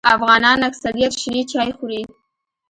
افغانان اکثریت شنې چای خوري